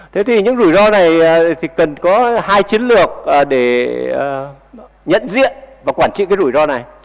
thế thì những rủi ro này thì cần có hai chiến lược để nhận diện và quản trị cái rủi ro này